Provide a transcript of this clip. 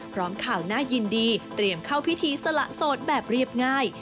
ข่าวน่ายินดีเตรียมเข้าพิธีสละโสดแบบเรียบง่าย